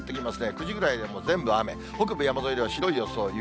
９時ぐらいにはもう全部雨、北部山沿いでは白い予想、雪。